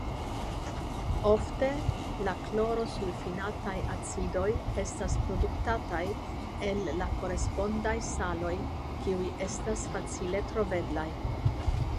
Ofte la klorosulfinataj acidoj estas produktataj el la korespondaj saloj kiuj estas facile troveblaj.